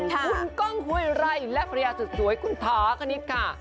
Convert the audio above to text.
คุณก้องห้วยไร่และภรรยาสุดสวยคุณถาคณิตค่ะ